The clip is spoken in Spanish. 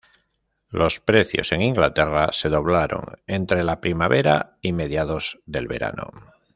Los precios en Inglaterra se doblaron entre la primavera y mediados del verano.